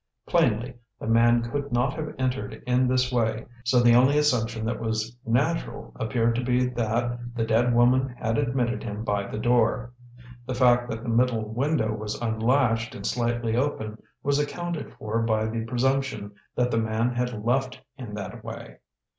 Plainly the man could not have entered in this way, so the only assumption that was natural appeared to be that the dead woman had admitted him by the door. The fact that the middle window was unlatched and slightly open was accounted for by the presumption that the man had left in that way.